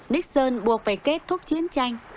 nixon buộc phải kết thúc chiến tranh